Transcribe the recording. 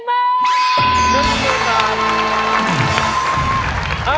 ๑มือจาก